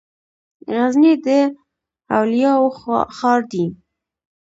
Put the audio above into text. غزنی د اولیاوو ښار دی.